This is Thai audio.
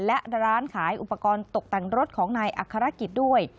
และร้านขายอุปกรณ์ตกแต่งรถของนายอัครกิจด้วย